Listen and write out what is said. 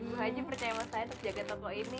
ibu haji percaya sama saya untuk jaga toko ini